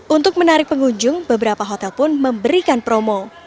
untuk menarik pengunjung beberapa hotel pun memberikan promo